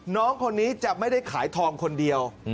น้องคนนี้จะไม่ได้ขายทองคนเดียว